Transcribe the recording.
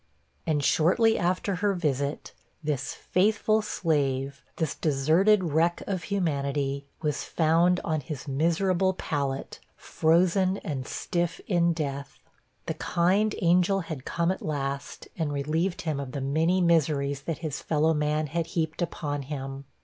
And shortly after her visit, this faithful slave, this deserted wreck of humanity, was found on his miserable pallet, frozen and stiff in death. The kind angel had come at last, and relieved him of the many miseries that his fellow man had heaped upon him.